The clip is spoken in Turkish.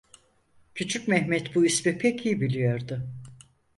Küçük Mehmet bu ismi pek iyi biliyordu.